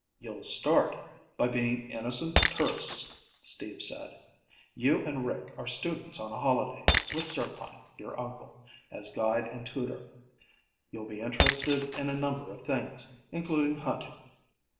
"You'll start by being innocent tourists," Steve said. "You and Rick are students on a holiday, with Zircon, your uncle, as guide and tutor. You'll be interested in a number of things, including hunting.